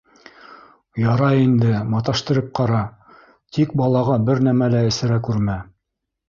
— Ярай инде, маташтырып ҡара, тик балаға бер нәмә лә эсерә күрмә.